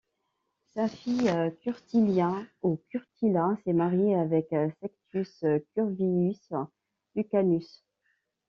Sa fille Curtilia ou Curtilla s'est mariée avec Sextus Curvius Lucanus.